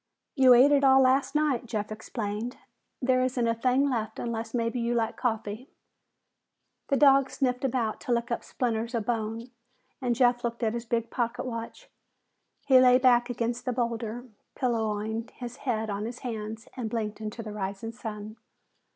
"You ate it all last night," Jeff explained. "There isn't a thing left unless maybe you like coffee." The dog sniffed about to lick up splinters of bone and Jeff looked at his big pocket watch. He lay back against the boulder, pillowing his head on his hands and blinking into the rising sun.